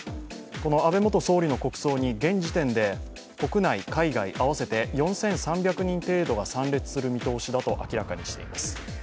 この安倍元総理の国葬に現時点で国内、海外合わせて４３００人程度が参列する見通しだと明らかにしています。